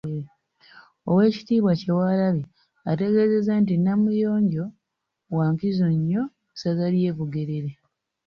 Oweekitiibwa Kyewalabye ategeezezza nti Namuyonjo wa nkizo nnyo mu ssaza ly’e Bugerere.